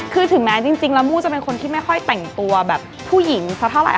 คือถึงแม้จริงแล้วมู้จะเป็นคนที่ไม่ค่อยแต่งตัวแบบผู้หญิงสักเท่าไหร่